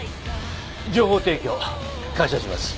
情報提供感謝します。